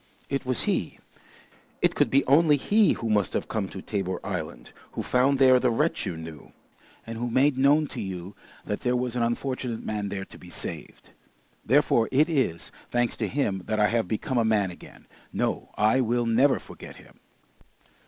It was he, it could be only he who must have come to Tabor Island, who found there the wretch you knew, and who made known to you that there was an unfortunate man there to be saved. Therefore it is, thanks to him, that I have become a man again. No, I will never forget him!"